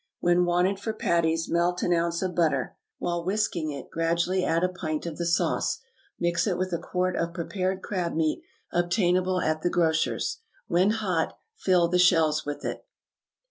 When wanted for patties, melt an ounce of butter. While whisking it, gradually add a pint of the sauce. Mix it with a quart of prepared crab meat, obtainable at the grocer's. When hot, fill the shells with it.